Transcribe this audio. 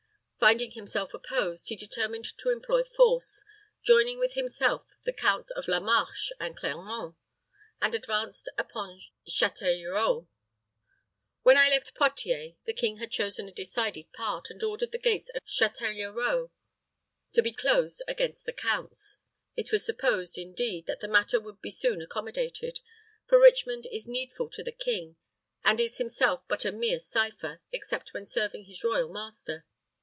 Finding himself opposed, he determined to employ force; joined with himself the Counts of La Marche and Clermont, and advanced upon Chatellerault. When I left Poictiers, the king had chosen a decided part, and ordered the gates of Chatellerault to be closed against the counts. It was supposed, indeed, that the matter would be soon accommodated; for Richmond is needful to the king, and is himself but a mere cipher, except when serving his royal master.